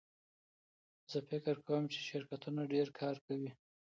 زه فکر کوم چې شرکتونه ډېر کار کوي.